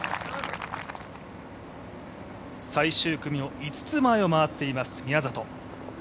最終組の５つ前を回っています宮里。